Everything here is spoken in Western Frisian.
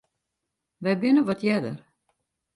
Wy binne wat earder.